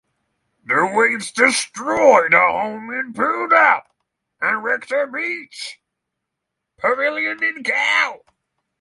The waves destroyed a home in Puna and wrecked a beach pavilion in Kau.